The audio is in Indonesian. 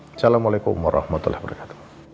assalamualaikum warahmatullahi wabarakatuh